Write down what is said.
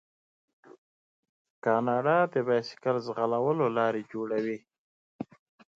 کاناډا د بایسکل ځغلولو لارې جوړوي.